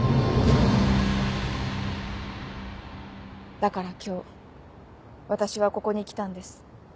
だから今日私はここに来たんです。